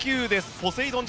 ポセイドン